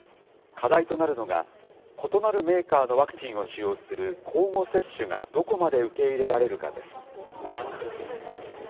課題となるのが、異なるメーカーのワクチンを使用する交互接種がどこまで受け入れられるかです。